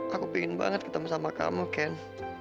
aku pingin banget ketemu sama kamu ken